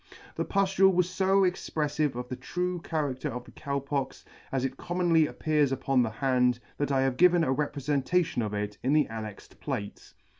The puftule was fo expreflive of the true character of the Cow Pox, as it commonly appears upon the hand, that I have given a reprefentation of it in the annexed plate.